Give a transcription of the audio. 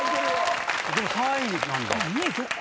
でも３位なんだ。